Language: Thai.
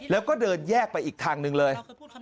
แล้วก็เดินแยกไปอีกทางหนึ่งเลย